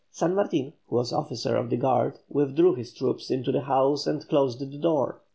San Martin, who was officer of the guard, withdrew his troops into the house and closed the door.